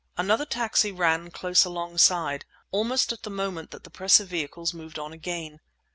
Another taxi ran close alongside, almost at the moment that the press of vehicles moved on again.